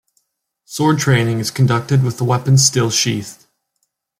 Sword training is conducted with the weapon still sheathed.